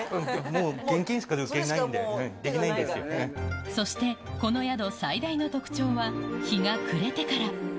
もう、そして、この宿最大の特徴は日が暮れてから。